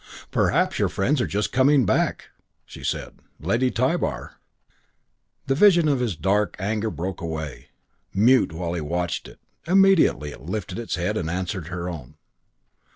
"Perhaps your friends are just coming back," she said. "Lady Tybar." The vision of his dark anger broke away. Mute while he watched it, immediately it lifted its head and answered her own.